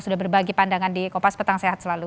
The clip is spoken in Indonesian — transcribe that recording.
sudah berbagi pandangan di kopas petang sehat selalu